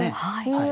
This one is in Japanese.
はい。